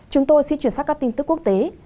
chúng tôi xin chuyển sang các tin tức quốc tế